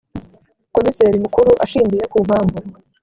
komiseri mukuru ashingiye ku mpamvu